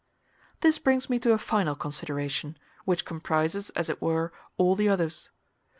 This brings me to a final consideration, which comprises, as it were, all the others.